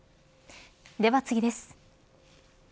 では次です。